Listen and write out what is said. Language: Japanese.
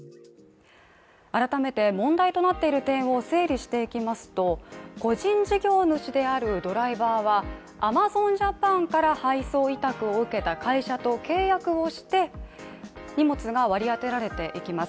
改めて問題となっている点を整理していきますと個人事業主であるドライバーはアマゾンジャパンから配送委託を受けた会社と契約をして荷物が割り当てられていきます。